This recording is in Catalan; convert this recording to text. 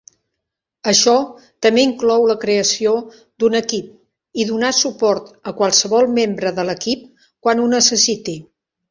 Això també inclou la creació d'un equip i donar suport a qualsevol membre de l'equip quan ho necessiti.